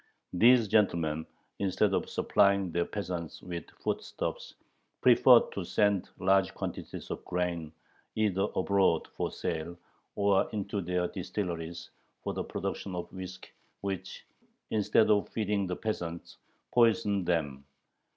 These gentlemen, instead of supplying their peasants with foodstuffs, preferred to send large quantities of grain either abroad, for sale, or into their distilleries, for the production of whiskey, which, instead of feeding the peasants, poisoned them.